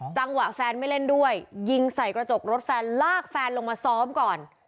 แฟนไม่เล่นด้วยยิงใส่กระจกรถแฟนลากแฟนลงมาซ้อมก่อน